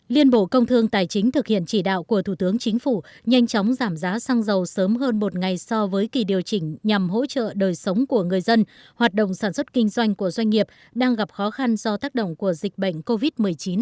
liên bộ công thương tài chính thực hiện chỉ đạo của thủ tướng chính phủ nhanh chóng giảm giá xăng dầu sớm hơn một ngày so với kỳ điều chỉnh nhằm hỗ trợ đời sống của người dân hoạt động sản xuất kinh doanh của doanh nghiệp đang gặp khó khăn do tác động của dịch bệnh covid một mươi chín